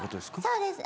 そうです。